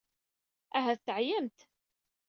Ahat teɛyamt.